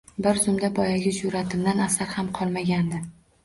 Bir zumda boyagi jur’atimdan asar ham qolmagan-di.